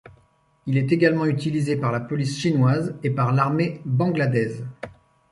Il est également utilisé par la police chinoise et par l'armée bangladaise.